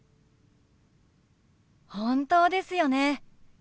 本当ですよね。